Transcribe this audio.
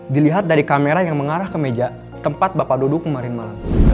dilihat dari kamera yang mengarah ke meja tempat bapak duduk kemarin malam